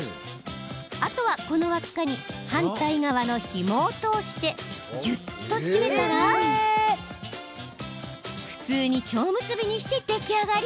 あとは、この輪っかに反対側のひもを通してぎゅっと締めたら普通に、ちょう結びして出来上がり。